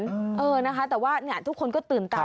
เป็นไงก็สนับตื่นตา